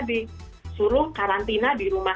disuruh karantina di rumah